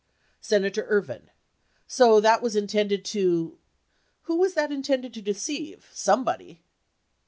Senator Ervin. So was that intended to — who was that intended to deceive ? Somebody.